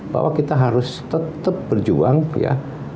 bahwa kita harus tetap berjuang ya